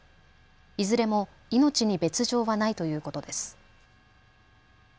いずれも命に別状はないということです。